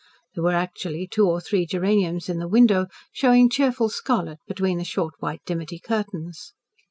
There were actually two or three geraniums in the window, showing cheerful scarlet between the short, white dimity curtains.